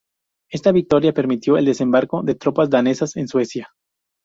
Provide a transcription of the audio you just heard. Esta victoria permitió el desembarco de tropas danesas en Suecia.